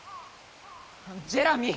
ジェラミー！